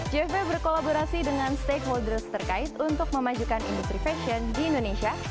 jfw berkolaborasi dengan stakeholders terkait untuk memajukan industri fashion di indonesia